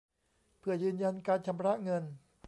เพื่อยืนยันการชำระเงิน